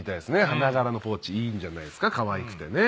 花柄のポーチいいんじゃないですか可愛くてね。